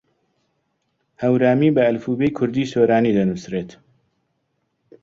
هەورامی بە ئەلفوبێی کوردیی سۆرانی دەنووسرێت.